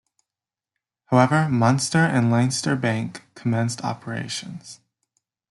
However, Munster and Leinster Bank commenced operations.